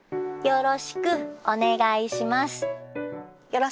よろしくお願いします。